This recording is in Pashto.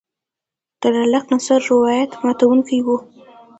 د لاک نظر روایت ماتوونکی و.